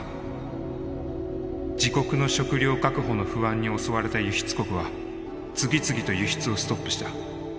自国の食料確保の不安に襲われた輸出国は次々と輸出をストップした。